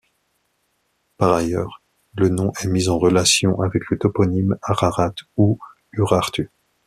Par ailleurs, le nom est mis en relation avec le toponyme Ararat ou Urartu.